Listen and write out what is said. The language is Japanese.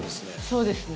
そうですね